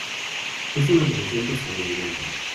Es un adolescente estadounidense.